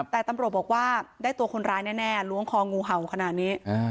แต่ตำรวจบอกว่าได้ตัวคนร้ายแน่ล้วงคองูเห่าขนาดนี้